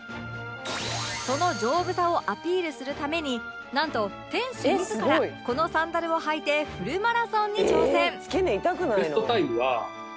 その丈夫さをアピールするためになんと店主自らこのサンダルを履いてフルマラソンに挑戦